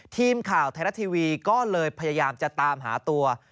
ทีมข่าวไทยรัฐทีวีก็เลยพยายามจะตามหาตัว